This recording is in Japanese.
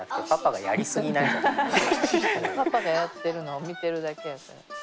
パパがやってるのを見てるだけやから。